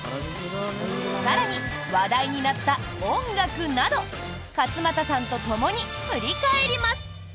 更に、話題になった音楽など勝俣さんとともに振り返ります。